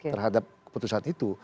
terhadap keputusan itu